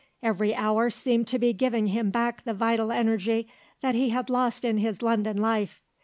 Every hour seemed to be giving him back the vital energy that he had lost in his London life.